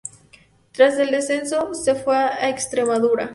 Tras el descenso, se fue a Extremadura.